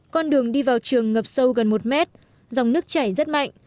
con đường đi vào trường ngập sâu gần một mét dòng nước chảy rất mạnh